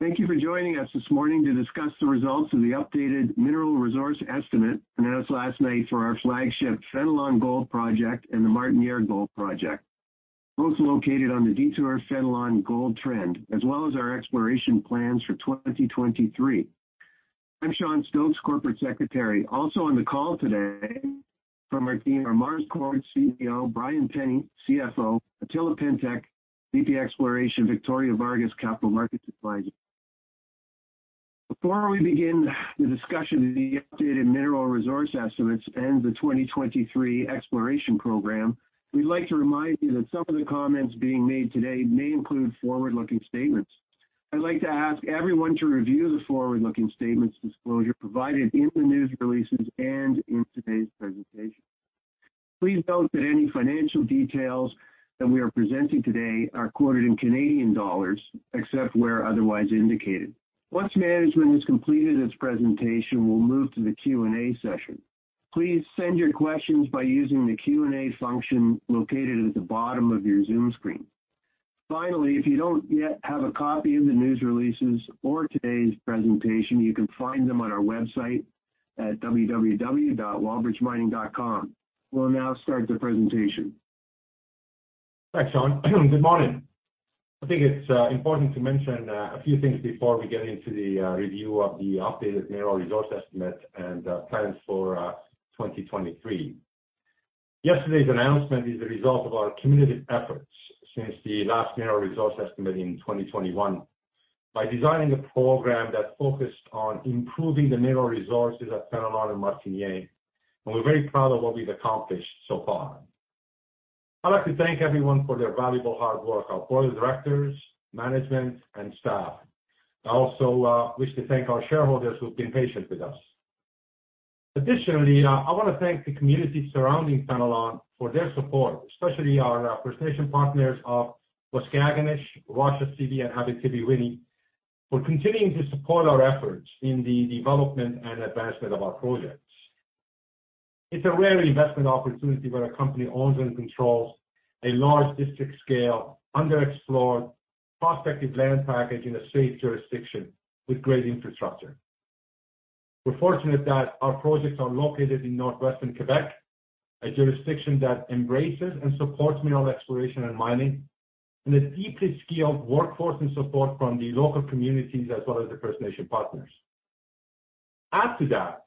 Thank you for joining us this morning to discuss the results of the updated mineral resource estimate announced last night for our flagship Fenelon Gold Project and the Martiniere Gold Project, both located on the Detour-Fenelon Gold Trend, as well as our exploration plans for 2023. I'm Sean Stokes, Corporate Secretary. Also on the call today from our team are Marz Kord, CEO, Brian Penny, CFO, Attila Péntek, VP, Exploration, Victoria Vargas, Capital Markets Advisor. Before we begin the discussion of the updated mineral resource estimates and the 2023 exploration program, we'd like to remind you that some of the comments being made today may include forward-looking statements. I'd like to ask everyone to review the forward-looking statements disclosure provided in the news releases and in today's presentation. Please note that any financial details that we are presenting today are quoted in Canadian dollars, except where otherwise indicated. Once management has completed its presentation, we'll move to the Q&A session. Please send your questions by using the Q&A function located at the bottom of your Zoom screen. Finally, if you don't yet have a copy of the news releases or today's presentation, you can find them on our website at www.wallbridgemining.com. We'll now start the presentation. Thanks, Sean. Good morning. I think it's important to mention a few things before we get into the review of the updated mineral resource estimate and plans for 2023. Yesterday's announcement is the result of our cumulative efforts since the last mineral resource estimate in 2021 by designing a program that focused on improving the mineral resources at Fenelon and Martiniere. We're very proud of what we've accomplished so far. I'd like to thank everyone for their valuable hard work, our board of directors, management, and staff. I also wish to thank our shareholders who've been patient with us. Additionally, I wanna thank the community surrounding Fenelon for their support, especially our First Nation partners of Waskaganish, Washaw Sibi, and Abitibiwinni for continuing to support our efforts in the development and advancement of our projects. It's a rare investment opportunity where a company owns and controls a large district-scale, underexplored, prospective land package in a safe jurisdiction with great infrastructure. We're fortunate that our projects are located in Northwestern Quebec, a jurisdiction that embraces and supports mineral exploration and mining, and a deeply skilled workforce and support from the local communities as well as the First Nation partners. Add to that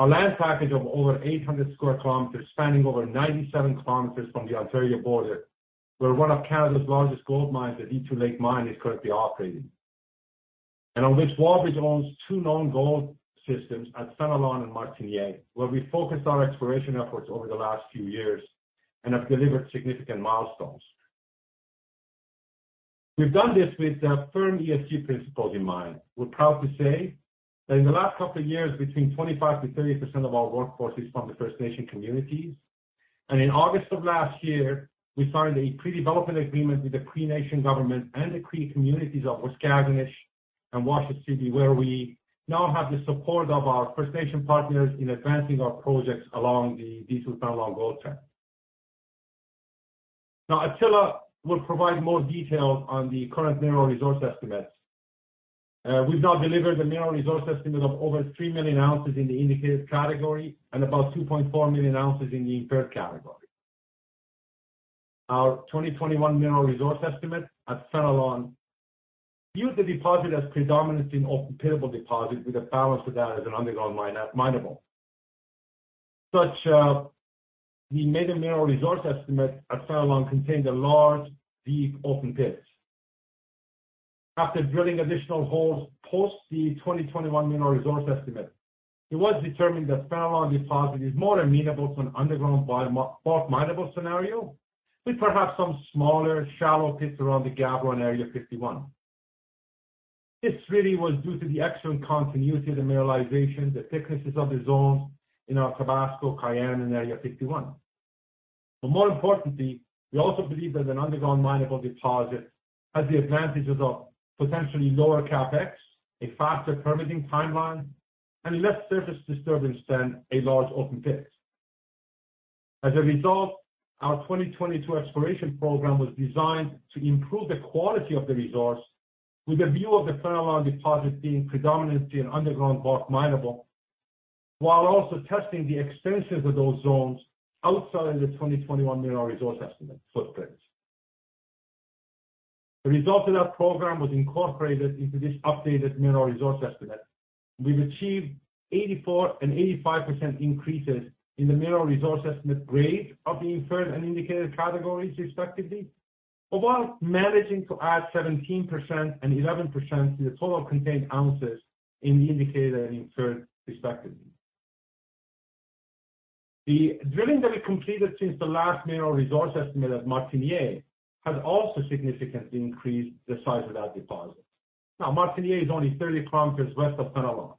a land package of over 800 sq km spanning over 97 km from the Ontario border, where one of Canada's largest gold mines, the Detour Lake Mine, is currently operating. On which Wallbridge owns two known gold systems at Fenelon and Martiniere, where we focused our exploration efforts over the last few years and have delivered significant milestones. We've done this with firm ESG principles in mind. We're proud to say that in the last couple of years, between 25%-30% of our workforce is from the First Nation communities. In August of last year, we signed a pre-development agreement with the Cree Nation Government and the Cree communities of Waskaganish and Washaw Sibi where we now have the support of our First Nation partners in advancing our projects along the Detour-Fenelon Gold Trend. Attila will provide more details on the current mineral resource estimates. We've now delivered a mineral resource estimate of over 3 million ounces in the indicated category and about 2.4 million ounces in the inferred category. Our 2021 mineral resource estimate at Fenelon used the deposit as predominantly an open-pit-able deposit with a balance of that as an underground mine at mineable. Such, we made a mineral resource estimate at Fenelon contained a large, deep, open pits. After drilling additional holes post the 2021 mineral resource estimate, it was determined that Fenelon deposit is more amenable to an underground mineable scenario, with perhaps some smaller, shallow pits around the Gabbro area 51. More importantly, we also believe that an underground mineable deposit has the advantages of potentially lower CapEx, a faster permitting timeline, and less surface disturbance than a large open pits. Our 2022 exploration program was designed to improve the quality of the resource with a view of the Fenelon deposit being predominantly an underground bulk mineable while also testing the extents of those zones outside the 2021 mineral resource estimate footprint. The result of that program was incorporated into this updated mineral resource estimate. We've achieved 84% and 85% increases in the mineral resource estimate grade of the inferred and indicated categories, respectively, while managing to add 17% and 11% to the total contained ounces in the indicated and inferred, respectively. The drilling that we completed since the last mineral resource estimate at Martiniere has also significantly increased the size of that deposit. Martiniere is only 30 km West of Fenelon.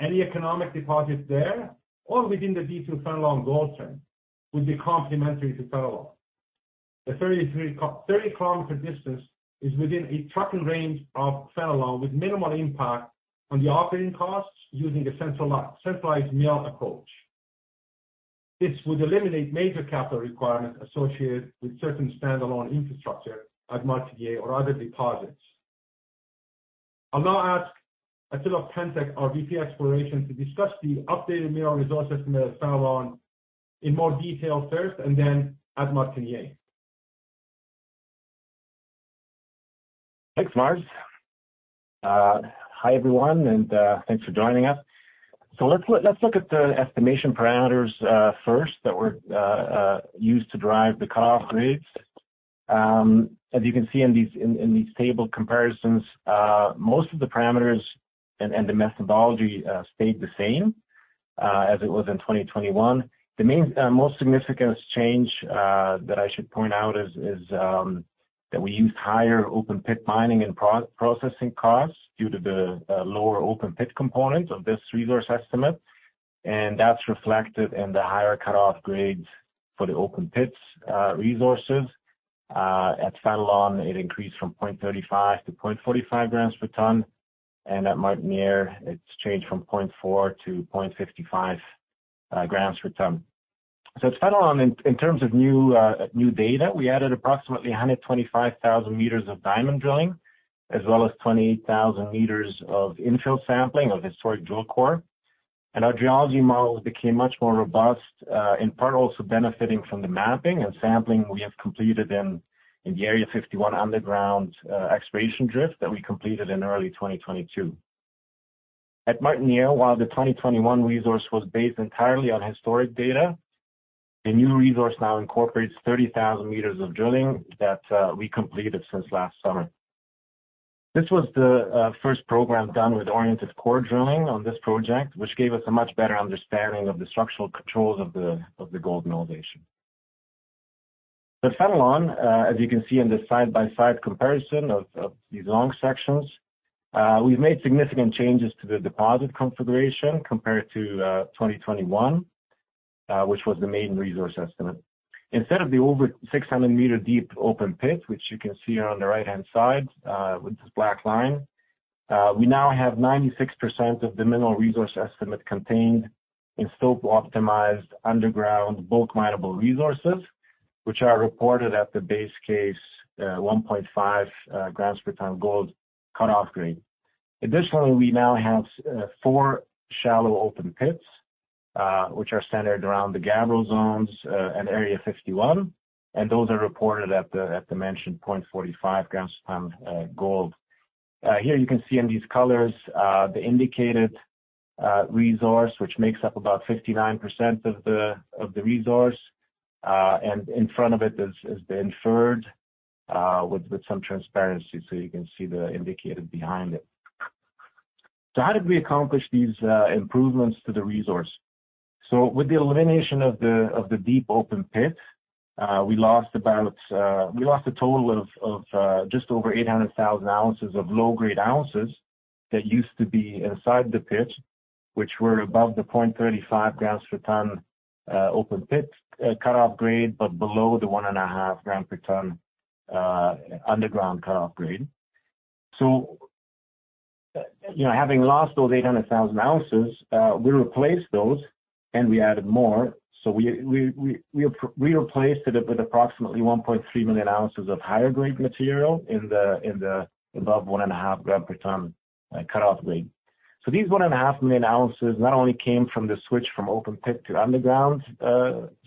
Any economic deposit there or within the Detour-Fenelon Gold Trend would be complementary to Fenelon. The 33 km, 30 km distance is within a trucking range of Fenelon with minimal impact on the operating costs using a centralized mill approach. This would eliminate major capital requirements associated with certain standalone infrastructure at Martiniere or other deposits. I'll now ask Attila Péntek, our VP, Exploration, to discuss the updated mineral resource estimate at Fenelon in more detail first, and then at Martiniere. Thanks, Marz. Hi, everyone, and thanks for joining us. Let's look at the estimation parameters first that were used to drive the car grades. As you can see in these table comparisons, most of the parameters and the methodology stayed the same as it was in 2021. The main most significant change that I should point out is that we used higher open pit mining and processing costs due to the lower open pit component of this resource estimate. That's reflected in the higher cutoff grades for the open pits' resources. At Fenelon, it increased from 0.35 g to 0.45 grams per tonne, and at Martiniere, it's changed from 0.4 g to 0.55 g per tonne. At Fenelon, in terms of new data, we added approximately 125,000 m of diamond drilling, as well as 28,000 mof infill sampling of historic drill core. Our geology models became much more robust, in part also benefiting from the mapping and sampling we have completed in the Area 51 underground exploration drift that we completed in early 2022. At Martiniere, while the 2021 resource was based entirely on historic data, the new resource now incorporates 30,000 m of drilling that we completed since last summer. This was the first program done with oriented core drilling on this project, which gave us a much better understanding of the structural controls of the gold mineralization. At Fenelon, as you can see in this side-by-side comparison of these long sections, we've made significant changes to the deposit configuration compared to 2021, which was the main resource estimate. Instead of the over 600 m deep open pit, which you can see on the right-hand side, with this black line, we now have 96% of the mineral resource estimate contained in stope optimized underground bulk minable resources, which are reported at the base case, 1.5 g per tons gold cut-off grade. Additionally, we now have four shallow open pits, which are centered around the Gabbro zones, and Area 51, and those are reported at the mentioned 0.45 grams per tonne, gold. Here you can see in these colors, the indicated resource, which makes up about 59% of the resource. In front of it is the inferred, with some transparency, so you can see the indicated behind it. How did we accomplish these improvements to the resource? With the elimination of the deep open pit, we lost a total of just over 800,000 oz of low-grade ounces that used to be inside the pit, which were above the 0.35 grams per tonne open pit cut off grade, but below the 1.5 gram per tonne underground cut off grade. You know, having lost those 800,000 oz, we replaced those, and we added more. We replaced it with approximately 1.3 million ounces of higher grade material in the above 1.5 g per tons cut off grade. These 1.5 million ounces not only came from the switch from open pit to underground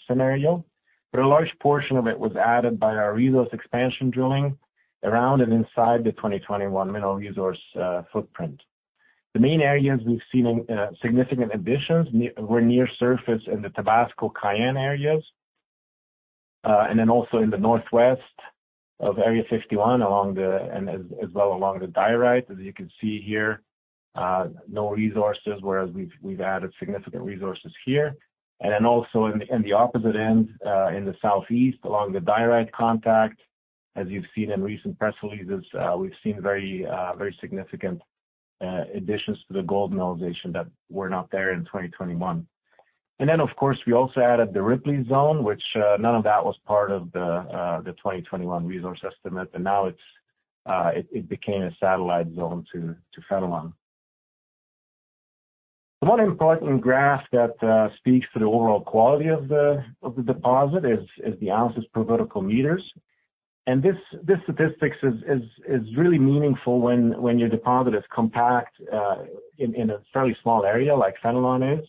scenario, but a large portion of it was added by our resource expansion drilling around and inside the 2021 mineral resource footprint. The main areas we've seen significant additions were near surface in the Tabasco Cayenne areas, and then also in the northwest of Area 51 along the, as well along the diorite. As you can see here, no resources, whereas we've added significant resources here. Also in the opposite end, in the southeast along the diorite contact, as you've seen in recent press releases, we've seen very significant additions to the gold mineralization that were not there in 2021. Of course, we also added the Ripley zone, which none of that was part of the 2021 resource estimate, and now it became a satellite zone to Fénelon. One important graph that speaks to the overall quality of the deposit is the ounces per vertical meters. This statistics is really meaningful when your deposit is compact in a fairly small area like Fénelon is.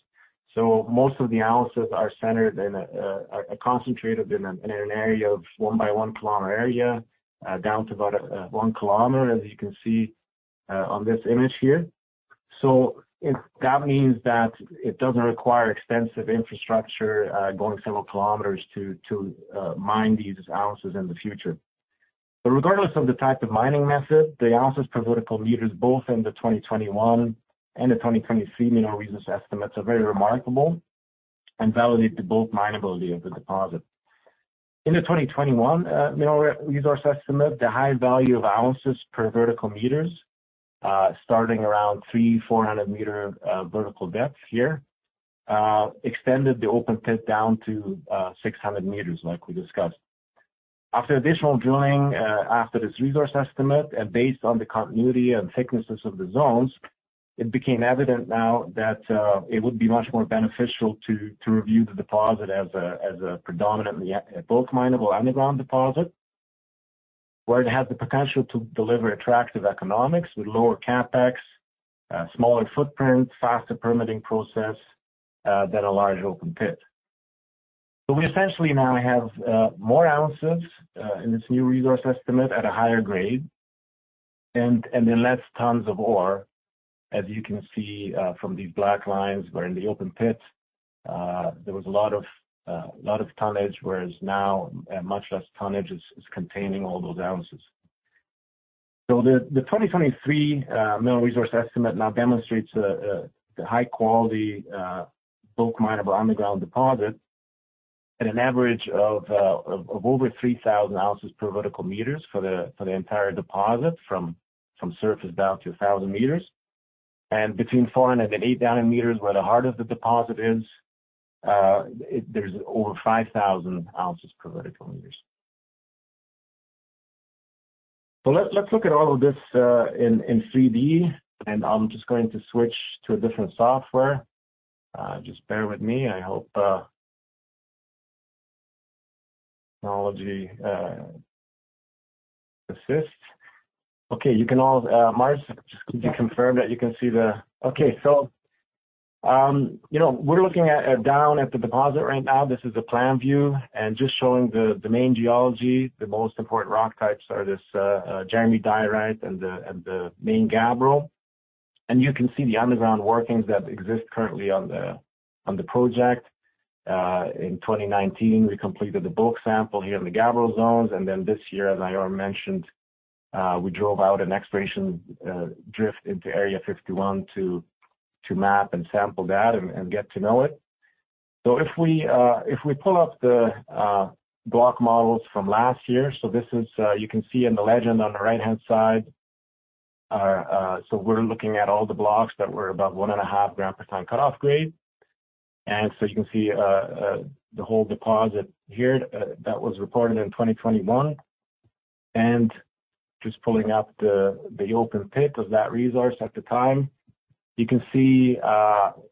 Most of the ounces are centered in a concentrated in an area of one by 1 km area, down to about 1 km, as you can see on this image here. That means that it doesn't require extensive infrastructure, going several kilometers to mine these ounces in the future. Regardless of the type of mining method, the ounces per vertical meters both in the 2021 and the 2023 mineral resource estimates are very remarkable and validate the bulk minability of the deposit. In the 2021 mineral resource estimate, the high value of ounces per vertical meters, starting around 3, 400 m vertical depth here, extended the open pit down to 600 m, like we discussed. After additional drilling after this resource estimate and based on the continuity and thicknesses of the zones, it became evident now that it would be much more beneficial to review the deposit as a predominantly bulk mineable underground deposit, where it has the potential to deliver attractive economics with lower CapEx, smaller footprint, faster permitting process than a large open pit. We essentially now have more ounces in this new resource estimate at a higher grade, and then less tons of ore, as you can see from these black lines, where in the open pits there was a lot of tonnage, whereas now much less tonnage is containing all those ounces. The 2023 mineral resource estimate now demonstrates the high quality bulk mineable underground deposit at an average of over 3,000 oz per vertical meters for the entire deposit from surface down to 1,000 m. Between 408 down in meters where the heart of the deposit is, there's over 5,000 oz per vertical meters. Let's look at all of this in 3D, and I'm just going to switch to a different software. Just bear with me. I hope technology assists. Marz, just could you confirm that you can see the? You know, we're looking down at the deposit right now. This is a plan view and just showing the main geology. The most important rock types are this Jeremie Diorite and the main gabbro. You can see the underground workings that exist currently on the project. In 2019, we completed the bulk sample here in the gabbro zones. This year, as I already mentioned, we drove out an exploration drift into Area 51 to map and sample that and get to know it. If we pull up the block models from last year, this is, you can see in the legend on the right-hand side. We're looking at all the blocks that were above 1.5 g per tons cut-off grade. You can see the whole deposit here that was reported in 2021. Just pulling up the open pit of that resource at the time. You can see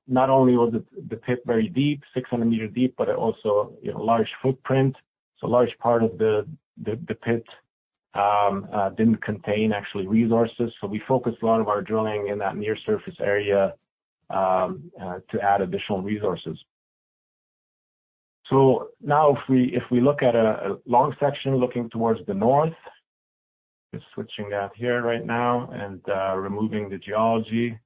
not only was it the pit very deep, 600 m deep, but it also, you know, large footprint. Large part of the pit didn't contain actually resources. We focused a lot of our drilling in that near surface area to add additional resources. Now if we look at a long section looking towards the north, just switching that here right now and removing the geology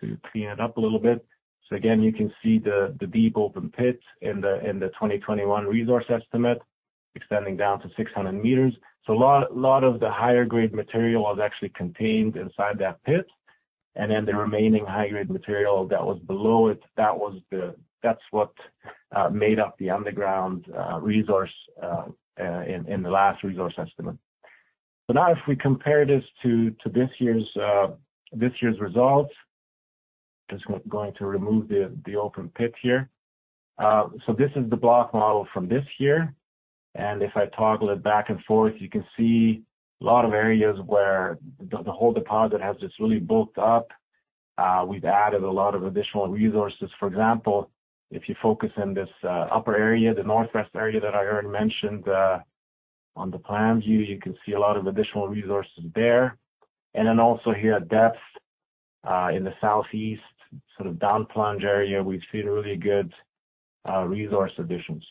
just to clean it up a little bit. Again, you can see the deep open pits in the 2021 resource estimate extending down to 600 m. A lot of the higher grade material was actually contained inside that pit. Then the remaining high grade material that was below it, that's what made up the underground resource in the last resource estimate. Now if we compare this to this year's results, just going to remove the open pit here. This is the block model from this year. If I toggle it back and forth, you can see a lot of areas where the whole deposit has just really bulked up. We've added a lot of additional resources. For example, if you focus in this upper area, the Northwest area that I already mentioned on the plan view, you can see a lot of additional resources there. Also here at depth in the Southeast, sort of down plunge area, we've seen really good resource additions.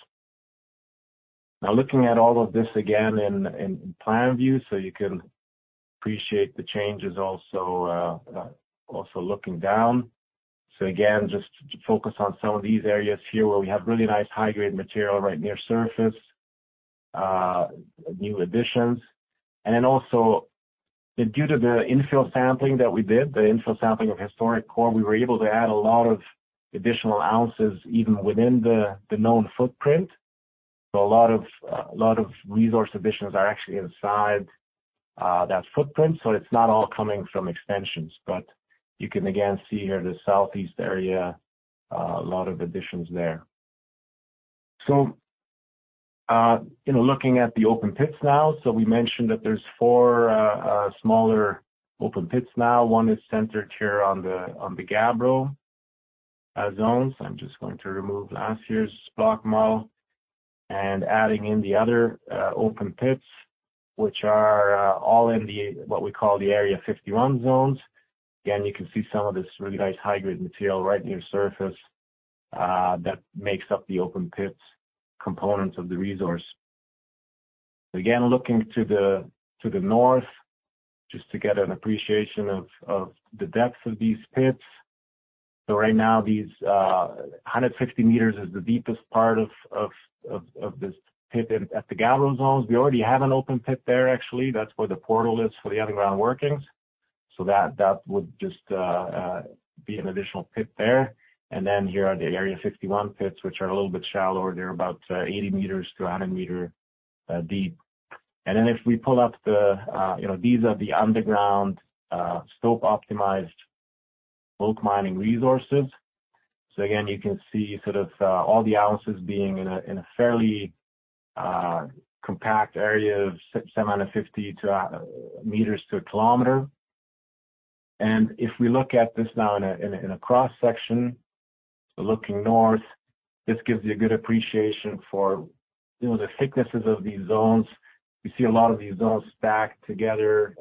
Looking at all of this again in plan view, so you can appreciate the changes also looking down. Again, just to focus on some of these areas here where we have really nice high grade material right near surface, new additions. Also due to the infill sampling that we did, the infill sampling of historic core, we were able to add a lot of additional ounces even within the known footprint. A lot of resource additions are actually inside that footprint. It's not all coming from extensions, but you can again see here the southeast area, a lot of additions there. You know, looking at the open pits now. We mentioned that there's four smaller open pits now. One is centered here on the Gabbro zones. I'm just going to remove last year's block model. Adding in the other open pits, which are all in the, what we call the Area 51 zones. Again, you can see some of this really nice high-grade material right near surface that makes up the open pits components of the resource. Again, looking to the north, just to get an appreciation of the depth of these pits. Right now, these 150 m is the deepest part of this pit at the Gabbro zones. We already have an open pit there actually, that's where the portal is for the underground workings. That would just be an additional pit there. Here are the Area 51 pits, which are a little bit shallower. They're about 80 m to 100 m deep. If we pull up the, you know, these are the underground stope optimized bulk mining resources. Again, you can see sort of all the ounces being in a fairly compact area of 7 m out of 50 m to a kilometer. If we look at this now in a cross-section, looking north, this gives you a good appreciation for, you know, the thicknesses of these zones. We see a lot of these zones stacked together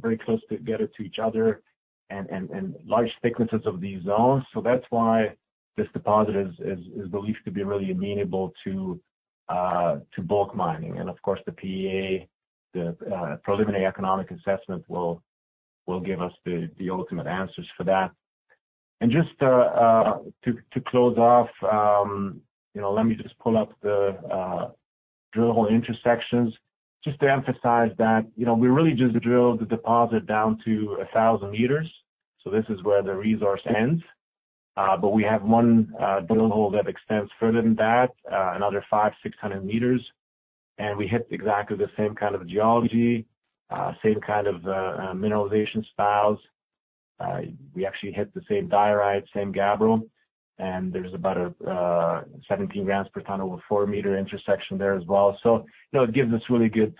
very close together to each other and large thicknesses of these zones. That's why this deposit is believed to be really amenable to bulk mining. Of course, the PEA, the preliminary economic assessment will give us the ultimate answers for that. Just to close off, you know, let me just pull up the drill hole intersections just to emphasize that, you know, we really just drilled the deposit down to 1,000 m, so this is where the resource ends. We have one drill hole that extends further than that, another 500 m-600 m. We hit exactly the same kind of geology, same kind of mineralization styles. We actually hit the same diorite, same gabbro, and there's about 17 g per ton over 4 m intersection there as well. You know, it gives us really good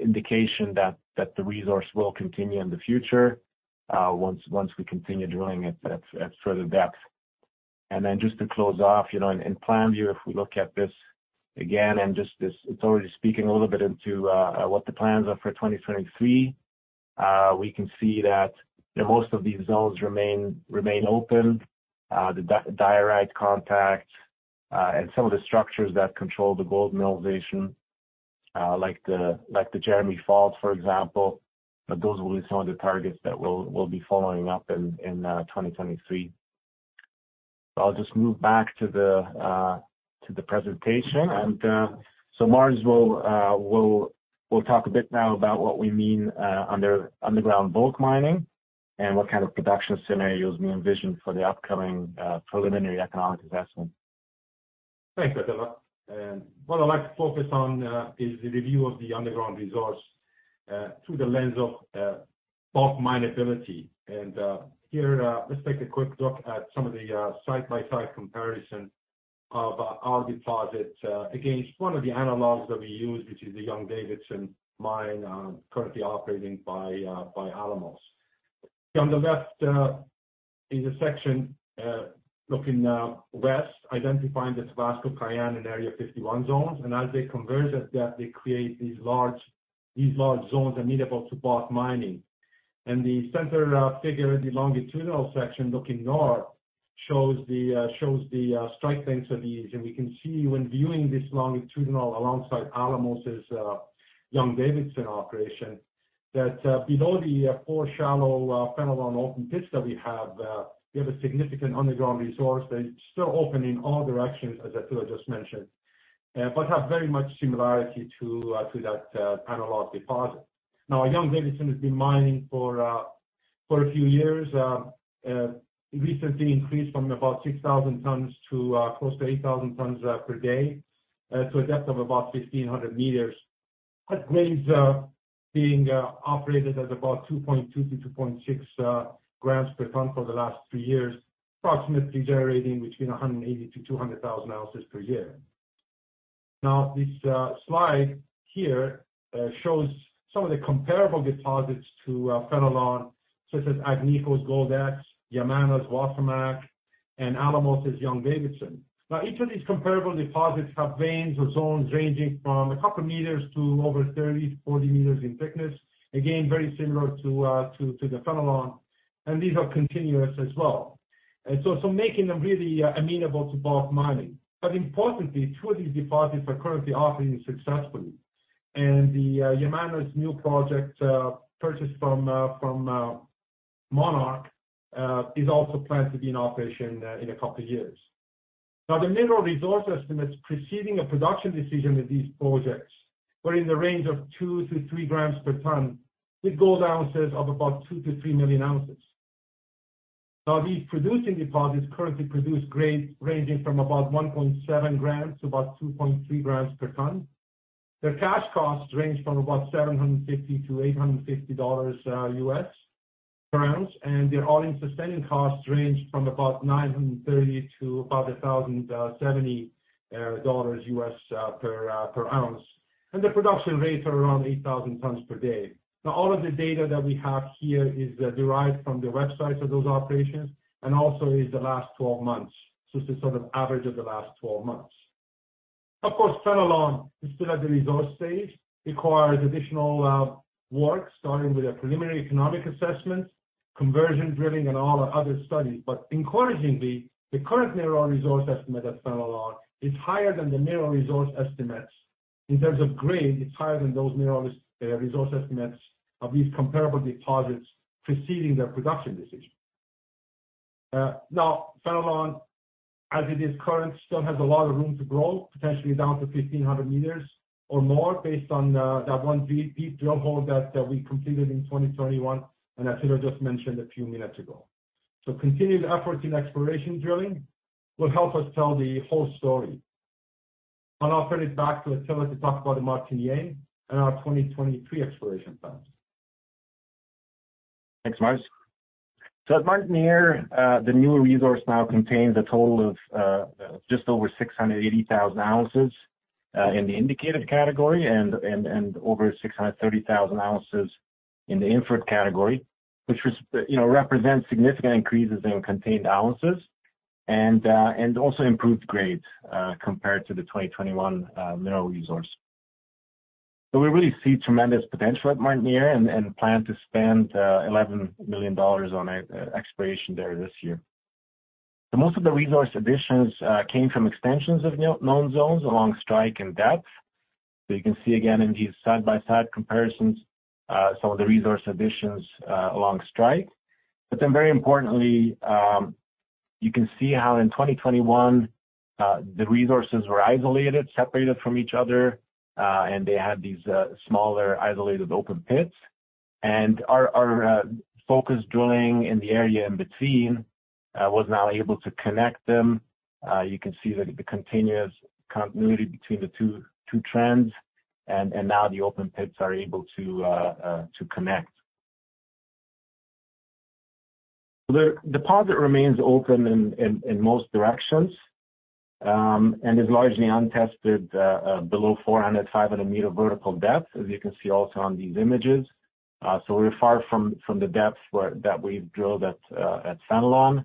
indication that the resource will continue in the future, once we continue drilling at further depth. Just to close off, you know, in plan view, if we look at this again, and just it's already speaking a little bit into what the plans are for 2023. We can see that most of these zones remain open. The diorite contact, and some of the structures that control the gold mineralization, like the Jeremie Fault, for example. Those will be some of the targets that we'll be following up in 2023. I'll just move back to the presentation. So Marz will talk a bit now about what we mean underground bulk mining, and what kind of production scenarios we envision for the upcoming preliminary economic assessment. Thanks, Attila. What I'd like to focus on is the review of the underground resource through the lens of bulk mineability. Here, let's take a quick look at some of the side-by-side comparison of our deposit against one of the analogs that we use, which is the Young-Davidson mine, currently operating by Alamos. On the left is a section looking west, identifying the Tabasco, Cayenne, and Area 51 zones. As they converge at depth, they create these large zones amenable to bulk mining. The center figure, the longitudinal section looking north, shows the strike lengths of these. We can see when viewing this longitudinal alongside Alamos's Young-Davidson operation, that below the poor shallow Fenelon open pits that we have, we have a significant underground resource that is still open in all directions, as Attila just mentioned. Have very much similarity to that analog deposit. Young-Davidson has been mining for a few years. Recently increased from about 6,000 tons to close to 8,000 tons per day to a depth of about 1,500 m. At grades being operated at about 2.2 g-2.6 gr oz per ton for the last three years, approximately generating between 180,000-200,000 oz per year. This slide here shows some of the comparable deposits to Fenelon, such as Agnico's Goldex, Yamana's Wasamac, and Alamos's Young-Davidson. Each of these comparable deposits have veins or zones ranging from 2 m to over 30 m-40 m in thickness. Again, very similar to the Fenelon, and these are continuous as well. So making them really amenable to bulk mining. Importantly, two of these deposits are currently operating successfully. The Yamana's new project, purchased from Monarch, is also planned to be in operation in a couple years. The mineral resource estimates preceding a production decision with these projects were in the range of 2 g-3 gr per ton, with gold ounces of about 2 million ounces-3 million ounces. These producing deposits currently produce grades ranging from about 1.7 g to about 2.3 g per ton. Their cash costs range from about $750-$850 U.S. per ounce, and their all-in sustaining costs range from about $930-$1,070 U.S. per ounce. The production rates are around 8,000 tons per day. All of the data that we have here is derived from the websites of those operations and also is the last 12 months. This is sort of average of the last 12 months. Of course, Fenelon is still at the resource stage, requires additional work, starting with a preliminary economic assessment, conversion drilling, and all the other studies. Encouragingly, the current mineral resource estimate at Fenelon is higher than the mineral resource estimates. In terms of grade, it's higher than those mineral resource estimates of these comparable deposits preceding their production decision. Now, Fenelon, as it is current, still has a lot of room to grow, potentially down to 1,500 m or more based on that one deep drill hole that we completed in 2021, and Attila just mentioned a few minutes ago. Continued efforts in exploration drilling will help us tell the whole story. I'll now turn it back to Attila to talk about the Martiniere and our 2023 exploration plans. Thanks, Marz. So at Martiniere, uh, the new resource now contains a total of, uh, uh, just over six hundred and eighty thousand ounces, uh, in the indicated category and, and, and over 630,000 oz in the inferred category, which res- you know, represents significant increases in contained ounces and, uh, and also improved grades, uh, compared to the 2021, uh, mineral resource. So we really see tremendous potential at Martiniere and, and plan to spend, uh, eleven million dollars on e-exploration there this year. Most of the resource additions, uh, came from extensions of kn-known zones along strike and depth. So you can see again in these side-by-side comparisons, uh, some of the resource additions, uh, along strike. Very importantly, you can see how in 2021, the resources were isolated, separated from each other, and they had these smaller isolated open pits. Our focused drilling in the area in between was now able to connect them. You can see the continuous continuity between the two trends, and now the open pits are able to connect. The deposit remains open in most directions, and is largely untested below 400 m, 500 m vertical depth, as you can see also on these images. We're far from the depth that we've drilled at Fenelon.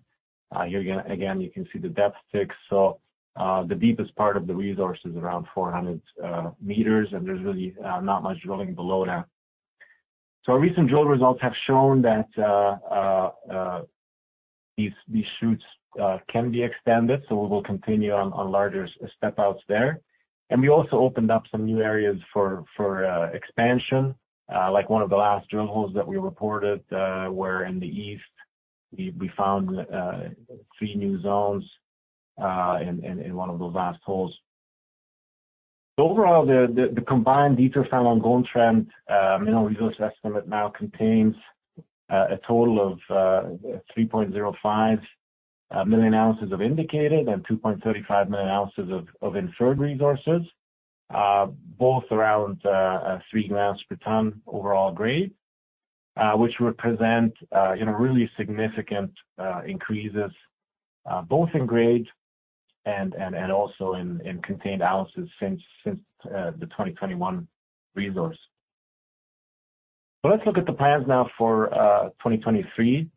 Here again, you can see the depth sticks. The deepest part of the resource is around 400 m, and there's really not much drilling below that. Our recent drill results have shown that these shoots can be extended, so we will continue on larger step outs there. We also opened up some new areas for expansion, like one of the last drill holes that we reported, where in the east we found three new zones in one of those last holes. Overall, the combined Detour/Fenelon Gold Trend mineral resource estimate now contains a total of 3.05 million ounces of indicated and 2.35 million ounces of inferred resources, both around 3 g per ton overall grade, which represent, you know, really significant increases both in grade and also in contained ounces since the 2021 resource. Let's look at the plans now for 2023.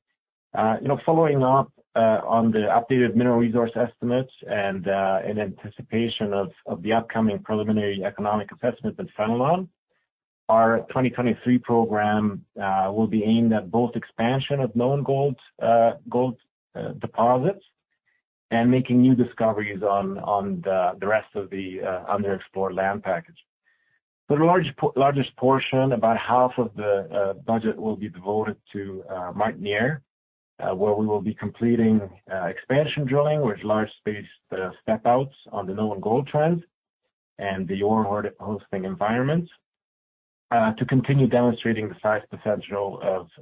You know, following up on the updated mineral resource estimates and in anticipation of the upcoming preliminary economic assessment at Fenelon, our 2023 program will be aimed at both expansion of known gold deposits and making new discoveries on the rest of the underexplored land package. The largest portion, about 1/2 of the budget, will be devoted to Martiniere, where we will be completing expansion drilling with large space step outs on the known gold trend and the ore hosting environments, to continue demonstrating the size potential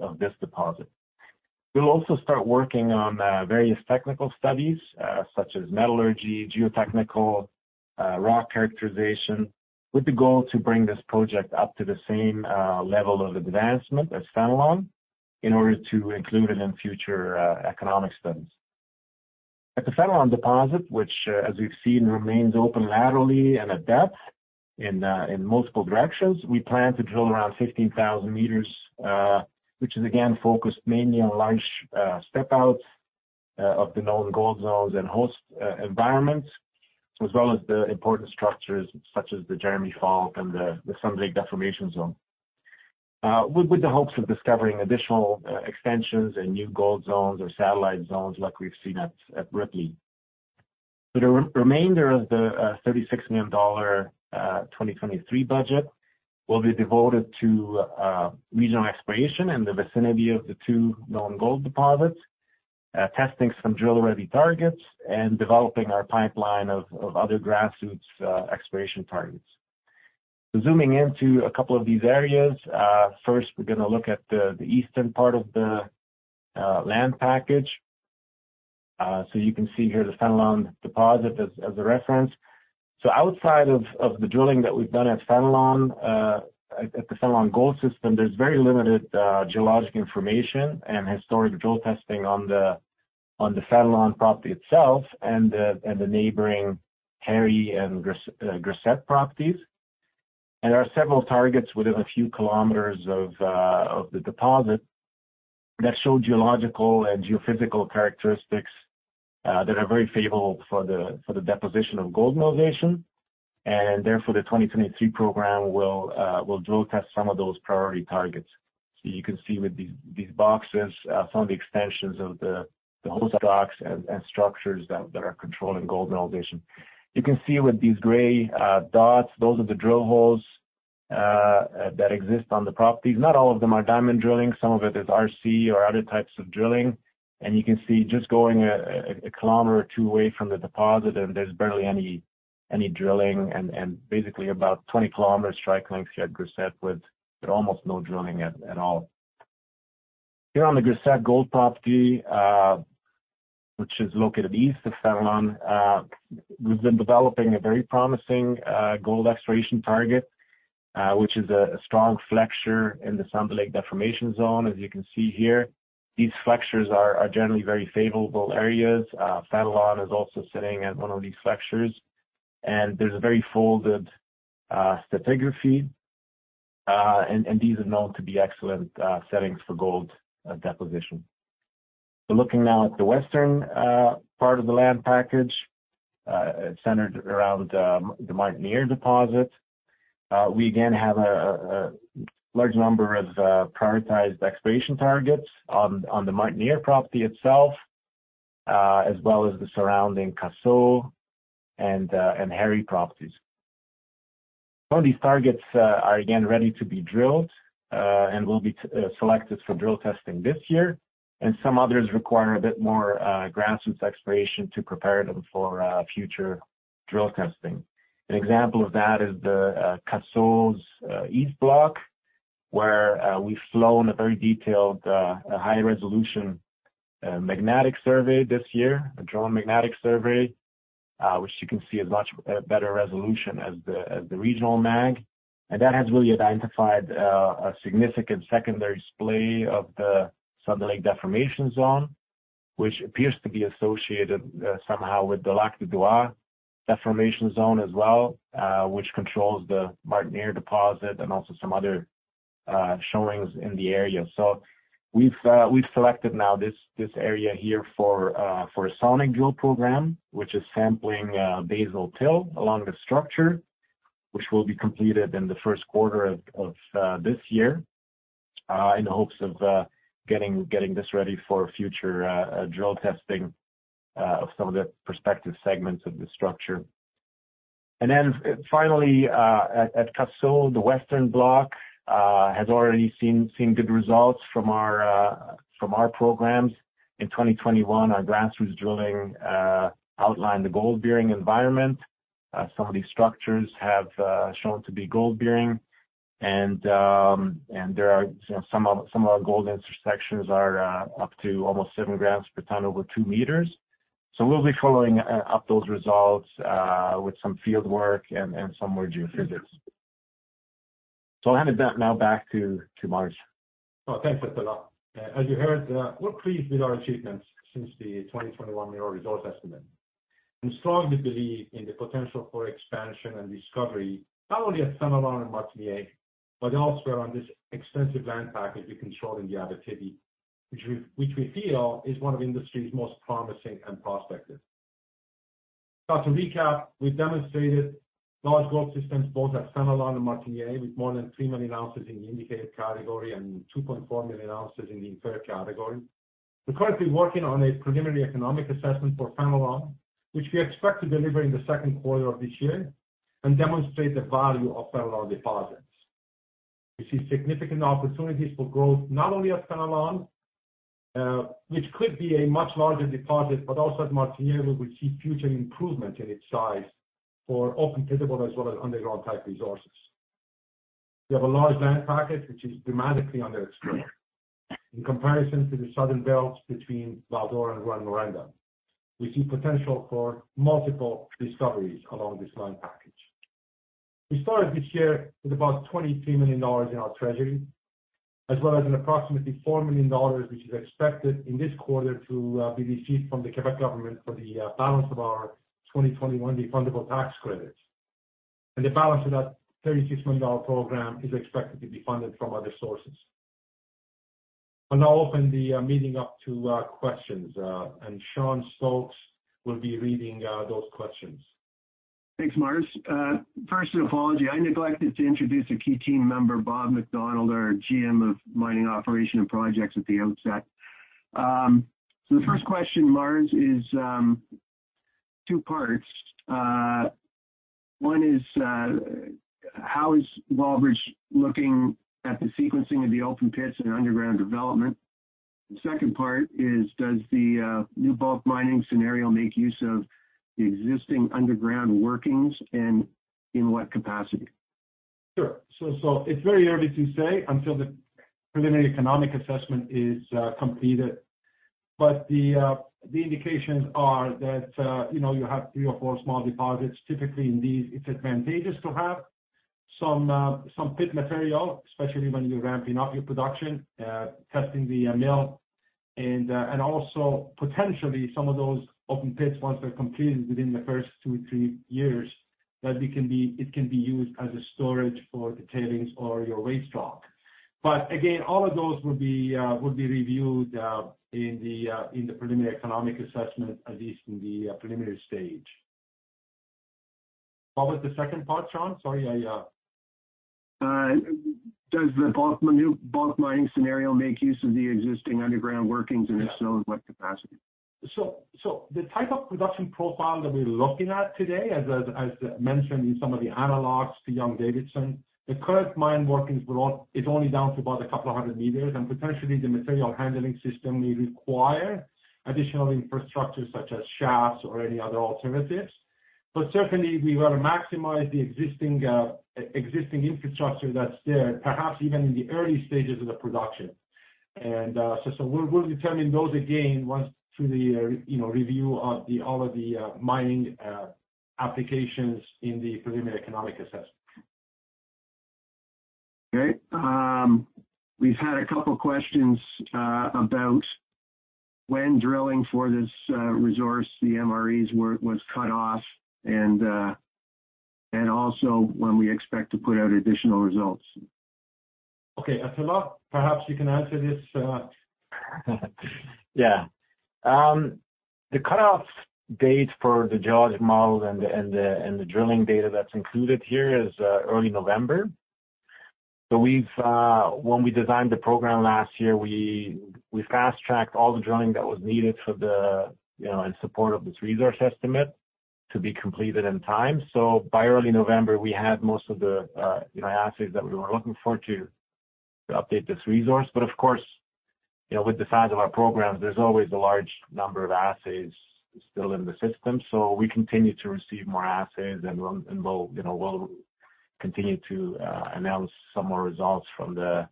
of this deposit. We'll also start working on various technical studies, such as metallurgy, geotechnical, rock characterization, with the goal to bring this project up to the same level of advancement as Fenelon in order to include it in future economic studies. At the Fenelon deposit, which, as we've seen, remains open laterally and at depth in multiple directions, we plan to drill around 15,000 m, which is again focused mainly on large step outs of the known gold zones and host environments, as well as the important structures such as the Jeremie Fault and the Sunday Lake Deformation Zone, with the hopes of discovering additional extensions and new gold zones or satellite zones like we've seen at Ripley. The remainder of the 36 million dollar 2023 budget will be devoted to regional exploration in the vicinity of the two known gold deposits, testing some drill-ready targets, and developing our pipeline of other grassroots exploration targets. Zooming into a couple of these areas, first we're gonna look at the eastern part of the land package. You can see here the Fenelon deposit as a reference. Outside of the drilling that we've done at Fenelon, at the Fenelon Gold System, there's very limited geological information and historic drill testing on the Fenelon property itself and the neighboring Harri and Grasset properties. There are several targets within a few kilometers of the deposit that show geological and geophysical characteristics that are very favorable for the deposition of gold mineralization. Therefore, the 2023 program will drill test some of those priority targets. You can see with these boxes, some of the extensions of the host rocks and structures that are controlling gold mineralization. You can see with these gray dots, those are the drill holes that exist on the properties. Not all of them are diamond drilling. Some of it is RC or other types of drilling. You can see just going 1 km or 2 km away from the deposit and there's barely any drilling and basically about 20 km strike length here at Grasset with almost no drilling at all. Here on the Grasset Gold Property, which is located east of Fenelon, we've been developing a very promising gold exploration target, which is a strong flexure in the Sambec Deformation Zone, as you can see here. These flexures are generally very favorable areas. St-Laurent is also sitting at one of these flexures. There's a very folded stratigraphy. These are known to be excellent settings for gold deposition. Looking now at the western part of the land package, centered around the Martiniere deposit. We again have a large number of prioritized exploration targets on the Martiniere property itself, as well as the surrounding Casault and Harri properties. Some of these targets are again ready to be drilled and will be selected for drill testing this year. Some others require a bit more grassroots exploration to prepare them for future drill testing. An example of that is the Casault east block, where we've flown a very detailed, high-resolution, magnetic survey this year, a drone magnetic survey, which you can see has much better resolution as the regional mag. That has really identified a significant secondary splay of the Sambec deformation zone, which appears to be associated somehow with the Lac des Doigts deformation zone as well, which controls the Martineau deposit and also some other showings in the area. We've selected now this area here for a sonic drill program, which is sampling basal till along the structure, which will be completed in the first quarter of this year, in the hopes of getting this ready for future drill testing of some of the prospective segments of the structure. Finally, at Casault, the western block has already seen good results from our programs. In 2021, our grassroots drilling outlined the gold-bearing environment. Some of these structures have shown to be gold-bearing. There are, you know, some of our gold intersections are up to almost 7 g per tonne over 2 m. We'll be following up those results with some field work and some more geophysics. I'll hand it back now to Marz. Thanks, Attila. As you heard, we're pleased with our achievements since the 2021 mineral resource estimate, and strongly believe in the potential for expansion and discovery, not only at St-Laurent and Martiniere but elsewhere on this extensive land package we control in the Abitibi, which we feel is one of the industry's most promising and prospective. To recap, we've demonstrated large gold systems both at St-Laurent and Martiniere, with more than 3 million ounces in the indicated category and 2.4 million ounces in the inferred category. We're currently working on a preliminary economic assessment for St-Laurent, which we expect to deliver in the second quarter of this year and demonstrate the value of St-Laurent deposits. We see significant opportunities for growth not only at St-Laurent, which could be a much larger deposit, but also at Martiniere, where we see future improvement in its size for open pit-able as well as underground type resources. We have a large land package which is dramatically underexplored in comparison to the southern belts between Val-d'Or and Rouyn-Noranda. We see potential for multiple discoveries along this land package. We started this year with about 23 million dollars in our treasury, as well as an approximately 4 million dollars, which is expected in this quarter to be received from the Quebec government for the balance of our 2021 refundable tax credits. The balance of that 36 million dollar program is expected to be funded from other sources. I'll now open the meeting up to questions. Sean Stokes will be reading those questions. Thanks, Marz. First, an apology. I neglected to introduce a key team member, Robert MacDonald, our GM of Mining Operation and Projects, at the outset. The first question, Marz, is two parts. One is, how is Wallbridge looking at the sequencing of the open pits and underground development? The second part is does the new bulk mining scenario make use of the existing underground workings and in what capacity? Sure. It's very early to say until the preliminary economic assessment is completed. The indications are that, you know, you have three or four small deposits. Typically, in these, it's advantageous to have some pit material, especially when you're ramping up your production, testing the mill. Also potentially some of those open pits, once they're completed within the first two or three years, that it can be used as a storage for the tailings or your waste rock. Again, all of those would be reviewed in the preliminary economic assessment, at least in the preliminary stage. What was the second part, Sean? Sorry, I. Does the bulk mining scenario make use of the existing underground workings? Yeah. If so, in what capacity? So the type of production profile that we're looking at today, as mentioned in some of the analogs to Young-Davidson, the current mine workings is only down to about a couple of hundred meters, and potentially the material handling system may require additional infrastructure such as shafts or any other alternatives. Certainly we want to maximize the existing infrastructure that's there, perhaps even in the early stages of the production. So we'll determine those again once through the, you know, review of the all of the mining applications in the preliminary economic assessment. Okay. We've had a couple questions about when drilling for this resource the MREs was cut off and also when we expect to put out additional results. Okay. Attila, perhaps you can answer this... Yeah. The cutoff date for the geologic model and the drilling data that's included here is early November. We've, when we designed the program last year, we fast-tracked all the drilling that was needed for the, you know, in support of this resource estimate to be completed in time. By early November, we had most of the, you know, assays that we were looking for to update this resource. Of course, you know, with the size of our programs, there's always a large number of assays still in the system. We continue to receive more assays, and we'll, you know, we'll continue to announce some more results from the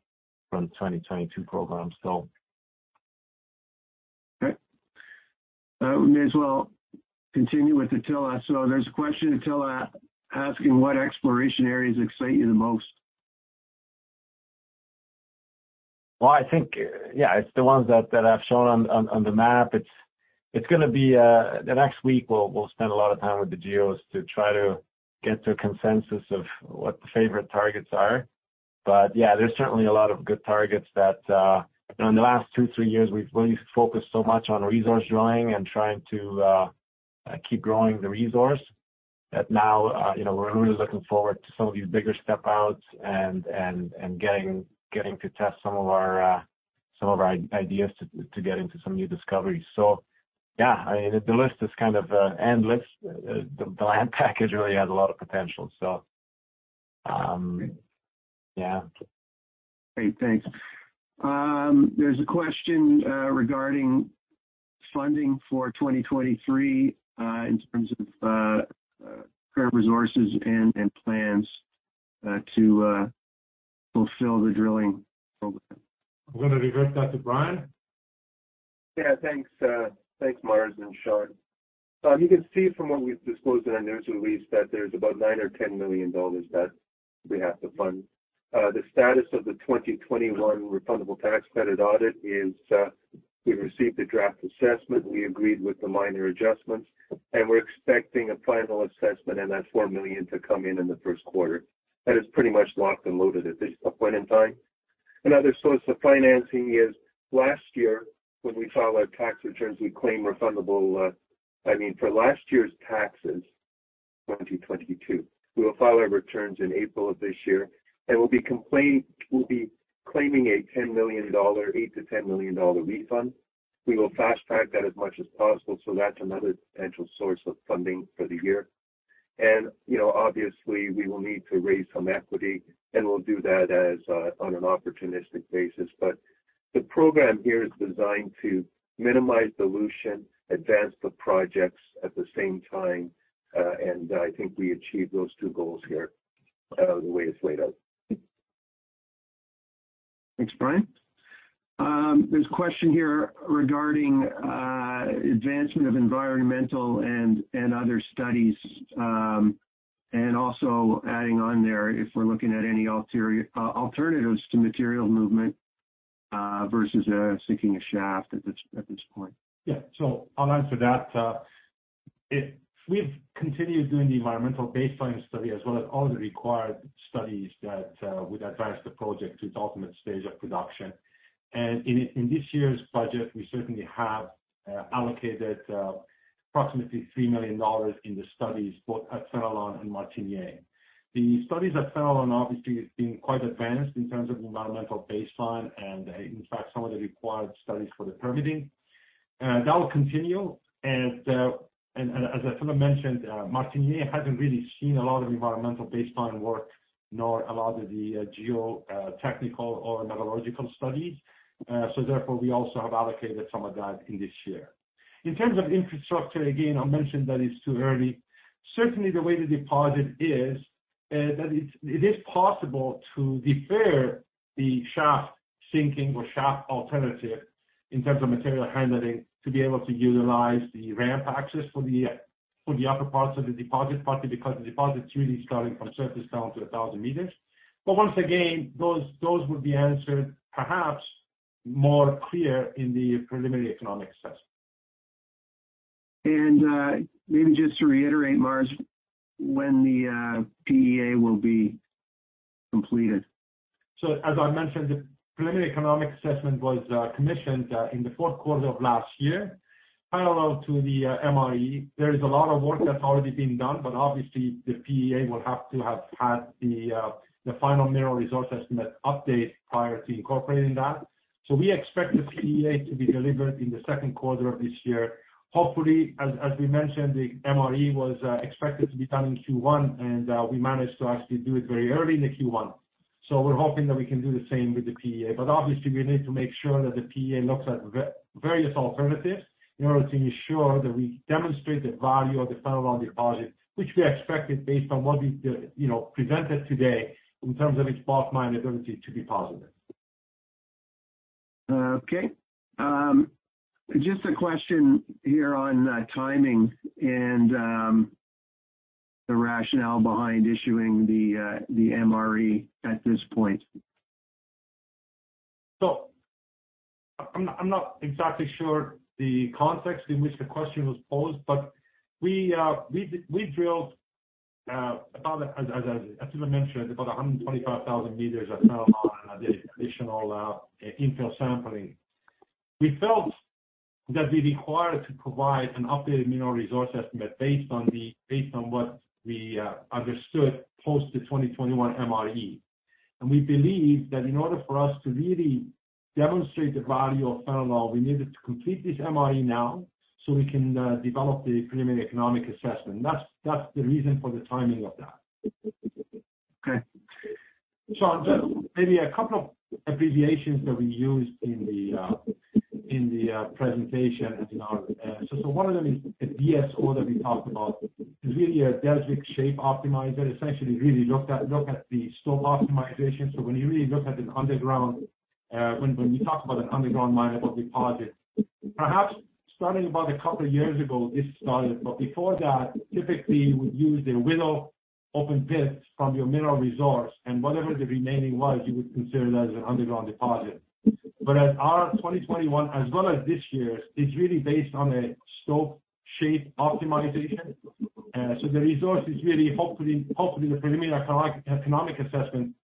2022 program. Okay. We may as well continue with Attila. There's a question, Attila, asking what exploration areas excite you the most. I think, yeah, it's the ones that I've shown on, on the map. It's gonna be. The next week, we'll spend a lot of time with the geos to try to get to a consensus of what the favorite targets are. Yeah, there's certainly a lot of good targets that, you know, in the last two, three years, we've really focused so much on resource drilling and trying to keep growing the resource that now, you know, we're really looking forward to some of these bigger step-outs and getting to test some of our, some of our ideas to get into some new discoveries. Yeah, I mean, the list is kind of endless. The land package really has a lot of potential. Yeah. Great. Thanks. There's a question regarding funding for 2023 in terms of current resources and plans to fulfill the drilling program. I'm gonna revert that to Brian. Yeah, thanks, Marz and Sean. You can see from what we've disclosed in our news release that there's about 9 million-10 million dollars that we have to fund. The status of the 2021 refundable tax credit audit is, we've received a draft assessment. We agreed with the minor adjustments, and we're expecting a final assessment in that 4 million to come in in the first quarter. That is pretty much locked and loaded at this point in time. Another source of financing is last year when we filed our tax returns, we claimed refundable, I mean, for last year's taxes, 2022, we will file our returns in April of this year, and we'll be claiming a 8 million-10 million dollar refund. We will fast-track that as much as possible. That's another potential source of funding for the year. You know, obviously, we will need to raise some equity, and we'll do that as on an opportunistic basis. The program here is designed to minimize dilution, advance the projects at the same time, and I think we achieve those two goals here, the way it's laid out. Thanks, Brian. There's a question here regarding advancement of environmental and other studies, and also adding on there if we're looking at any alternatives to material movement versus sinking a shaft at this point. Yeah. I'll answer that. We've continued doing the environmental baseline study as well as all the required studies that would advance the project to its ultimate stage of production. In this year's budget, we certainly have allocated approximately 3 million dollars in the studies both at Grasset and Martiniere. The studies at Grasset obviously has been quite advanced in terms of environmental baseline and, in fact, some of the required studies for the permitting. That will continue. As Attila mentioned, Martiniere hasn't really seen a lot of environmental baseline work, nor a lot of the geotechnical or metallurgical studies. Therefore, we also have allocated some of that in this year. In terms of infrastructure, again, I'll mention that it's too early. Certainly, the way the deposit is, it is possible to defer the shaft sinking or shaft alternative in terms of material handling to be able to utilize the ramp access for the upper parts of the deposit partly because the deposit's really starting from surface down to 1,000 m. Once again, those would be answered perhaps more clear in the preliminary economic assessment. Maybe just to reiterate, Marz, when the PEA will be completed? As I mentioned, the preliminary economic assessment was commissioned in the fourth quarter of last year, parallel to the MRE. There is a lot of work that's already been done, but obviously the PEA will have to have had the final mineral resource estimate update prior to incorporating that. We expect the PEA to be delivered in the second quarter of this year. Hopefully, as we mentioned, the MRE was expected to be done in Q1, and we managed to actually do it very early in the Q1. We're hoping that we can do the same with the PEA. Obviously, we need to make sure that the PEA looks at various alternatives in order to ensure that we demonstrate the value of the Fenelon deposit, which we expected based on what we, you know, presented today in terms of its bulk mine ability to be positive. Okay. Just a question here on timing and the rationale behind issuing the MRE at this point? I'm not exactly sure the context in which the question was posed, but we drilled about as Attila mentioned, about 125,000 m at Fenelon on additional infill sampling. We felt that we required to provide an updated mineral resource estimate based on what we understood post the 2021 MRE. We believe that in order for us to really demonstrate the value of Fenelon, we needed to complete this MRE now so we can develop the preliminary economic assessment. That's the reason for the timing of that. Okay. Sean, just maybe two abbreviations that we used in the presentation. One of them is the DSO that we talked about is really a Deswik Shape Optimizer. Essentially, really look at the stope optimization. When you really look at an underground, when you talk about an underground mine of a deposit, perhaps starting about two years ago, this started. Before that, typically, you would use a Whittle open pits from your mineral resource, and whatever the remaining was, you would consider that as an underground deposit. At our 2021 as well as this year is really based on a stope shape optimization. The resource is really hopefully, the preliminary economic assessment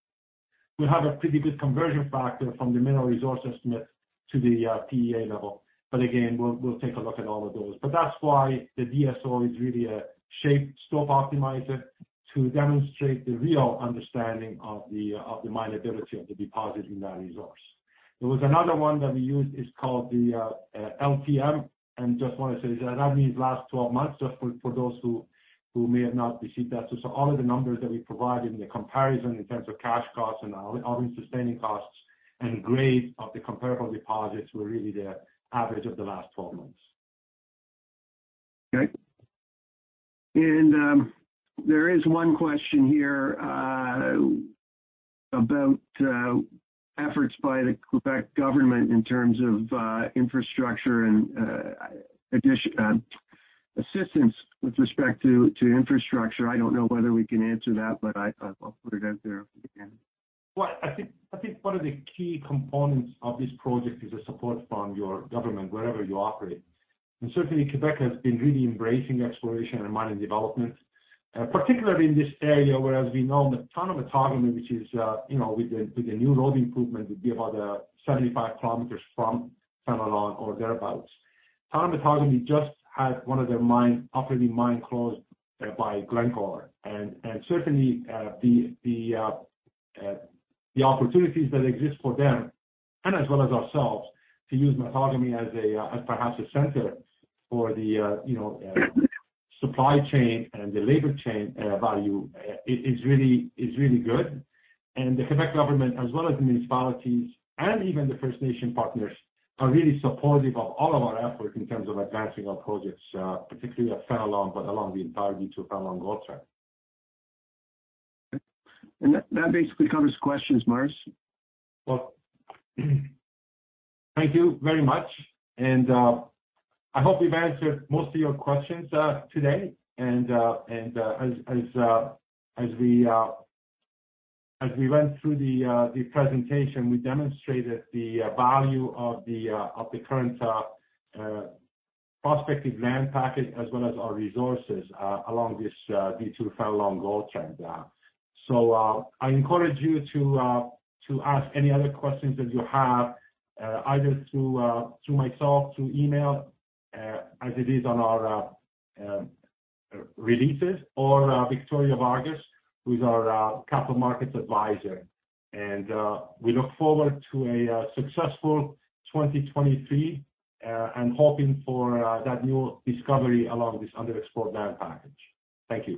will have a pretty good conversion factor from the mineral resource estimate to the PEA level. We'll take a look at all of those. That's why the DSO is really a shape stope optimizer to demonstrate the real understanding of the minability of the deposit in that resource. There was another one that we used, it's called the LTM, and just wanna say that that means last 12 months, just for those who may have not received that. All of the numbers that we provide in the comparison in terms of cash costs and all these sustaining costs and grade of the comparable deposits were really the average of the last 12 months. Okay. There is one question here about efforts by the Quebec government in terms of infrastructure and assistance with respect to infrastructure. I don't know whether we can answer that, but I thought I'll put it out there if we can. Well, I think one of the key components of this project is a support from your government, wherever you operate. Certainly, Québec has been really embracing exploration and mining development, particularly in this area where as we know Montanoux Montgomery, which is, with the new road improvement, would be about 75 km from Fenelon or thereabouts. Montanoux Montgomery just had one of their operating mine closed by Glencore. Certainly, the opportunities that exist for them and as well as ourselves to use Montgomery as perhaps a center for the supply chain and the labor chain value is really good. The Quebec government as well as the municipalities and even the First Nation partners are really supportive of all of our efforts in terms of advancing our projects, particularly at Fenelon, but along the entire V2 Fenelon Gold Trend. That basically covers questions, Marz. Well, thank you very much, I hope we've answered most of your questions, today. As we went through the presentation, we demonstrated the, value of the, of the current, prospective land package as well as our resources, along this, V2 Fenelon Gold Trend. I encourage you to ask any other questions that you have, either through myself, through email, as it is on our, releases or, Victoria Vargas, who is our, capital markets advisor. We look forward to a, successful 2023, and hoping for, that new discovery along this underexplored land package. Thank you.